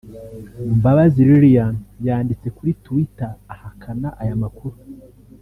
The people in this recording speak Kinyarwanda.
Mbabazi Lilian yanditse kuri Twitter ahakana aya makuru